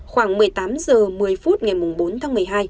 khoảng một mươi tám h một mươi phút ngày bốn tháng một mươi hai